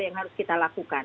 yang harus kita lakukan